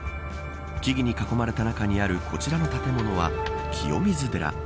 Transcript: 木々に囲まれた中にあるこちらの建物は清水寺。